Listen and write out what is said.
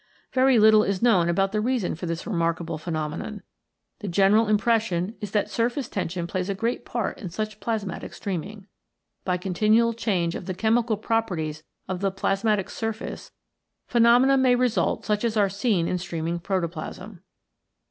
Very little is known about the reason for this remarkable phenomenon. The general im pression is that surface tension plays a great part in such plasmatic streaming. By continual change of the chemical properties of the plasmatic surface phenomena may result such as are seen in stream ing protoplasm.